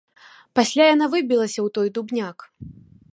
Пасля яна выбілася ў той дубняк.